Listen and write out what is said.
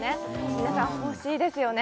皆さんほしいですよね